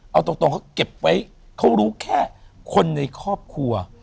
เอาตรงเขาเก็บไว้เขารู้แค่คนในครอบครัว